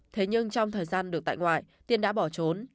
thế nhưng trong thời gian được tại ngoại tiên đã bỏ trốn